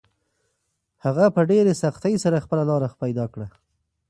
هغه په ډېرې سختۍ سره خپله لاره پیدا کړه.